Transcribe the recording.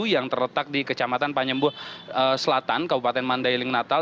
yang terletak di kecamatan panjembu selatan kabupaten mandailing natal